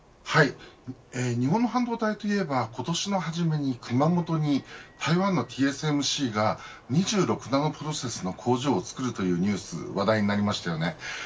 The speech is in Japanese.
日本の半導体といえば今年の初めに熊本に台湾のＴＳＭＣが２６ナノプロセスの工場を造るというニュースが話題になりました。